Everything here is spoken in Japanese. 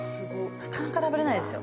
なかなか食べれないですよ